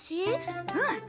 うん。